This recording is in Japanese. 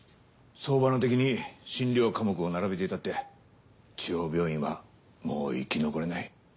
総花的に診療科目を並べていたって地方病院はもう生き残れない。